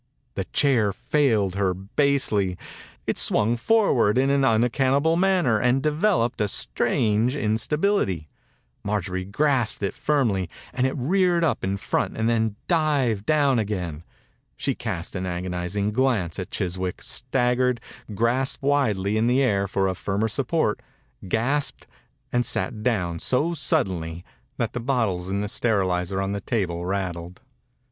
The chair failed her basely. It swung forward in an unaccount able manner and developed a strange instability. Marjorie grasped it firmly and it reared up in front and then dived down again. She cast an agonized glance at Chiswick, staggered, grasped widely in the air for a firmer support, gasped, and sat down so suddenly that the bot tles in the sterilizer on the table rattled.